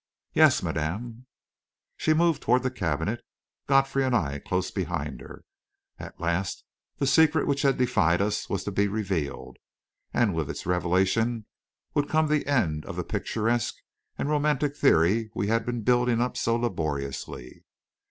"Yes, madame." She moved toward the cabinet, Godfrey and I close behind her. At last the secret which had defied us was to be revealed. And with its revelation would come the end of the picturesque and romantic theory we had been building up so laboriously.